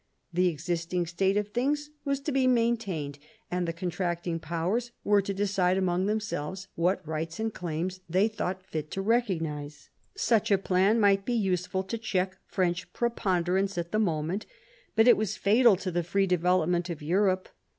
The existing state of things was to be ^maintained, and the contracting powers were to decide amongst themselves what rights and claims they thought fit to recognise. Such a plan might be useful to check French preponderance at the moment, but it was fatal to the free development of Europe.